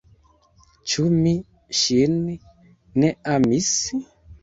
Ĉu mi ŝin ne amis?